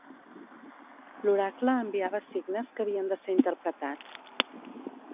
L'oracle enviava signes que havien de ser interpretats.